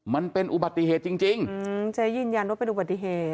มันเป็นอุบัติเหตุจริงจริงอืมเจ๊ยืนยันว่าเป็นอุบัติเหตุ